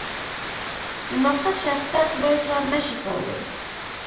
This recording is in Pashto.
ناقص شخصیت لوی کار نه شي کولی.